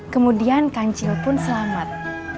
kemudian kancil pun selamat